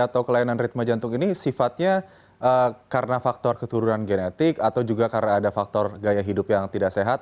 atau kelainan ritme jantung ini sifatnya karena faktor keturunan genetik atau juga karena ada faktor gaya hidup yang tidak sehat